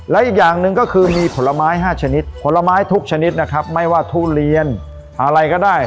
และอีกอย่างหนึ่งก็คือมีผลไม้๕ชนิดผลไม้ทุกชนิดนะครับไม่ว่าทุเรียนอะไรก็ได้